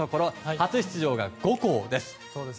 初出場が５校です。